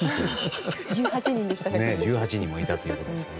１８人もいたということですからね。